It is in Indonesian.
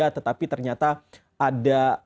tetapi ternyata ada